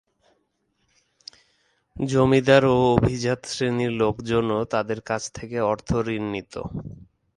জমিদার ও অভিজাত শ্রেণির লোকজনও তাদের কাছ থেকে অর্থ ঋণ নিত।